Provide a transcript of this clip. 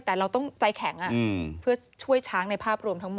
แต่เราต้องใจแข็งเพื่อช่วยช้างในภาพรวมทั้งหมด